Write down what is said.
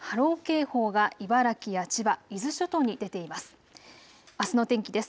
続いて、波浪警報が茨城や千葉、伊豆諸島に出ています。